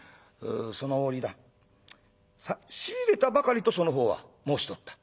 「その折だ仕入れたばかりとそのほうは申しておった。